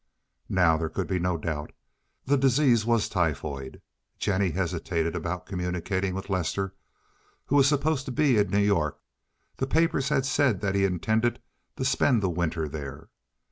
Now there could be no doubt; the disease was typhoid. Jennie hesitated about communicating with Lester, who was supposed to be in New York; the papers had said that he intended to spend the winter there.